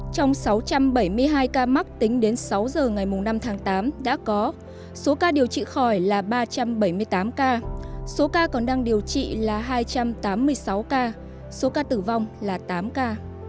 trong sáu trăm bảy mươi hai ca mắc tính đến sáu giờ ngày năm tháng tám đã có số ca điều trị khỏi là ba trăm bảy mươi tám ca số ca còn đang điều trị là hai trăm tám mươi sáu ca số ca tử vong là tám ca